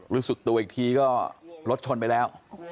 รู้สึกตัวอีกทีก็รถชนไปแล้ว